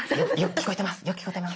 聞こえてます？